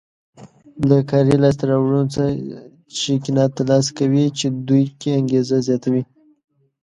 له کاري لاسته راوړنو چې قناعت ترلاسه کوي په دوی کې انګېزه زیاتوي.